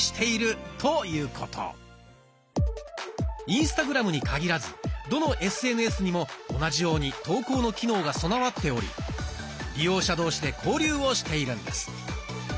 インスタグラムに限らずどのＳＮＳにも同じように投稿の機能が備わっており利用者同士で交流をしているんです。